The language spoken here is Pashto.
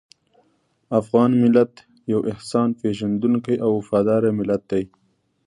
افغان ملت یو احسان پېژندونکی او وفاداره ملت دی.